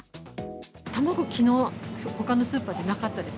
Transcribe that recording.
卵、きのう、ほかのスーパーでなかったです。